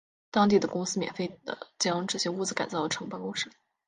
当地的公司免费地将这些屋子改造成办公室。